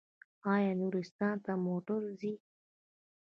آیا نورستان ته موټر ځي؟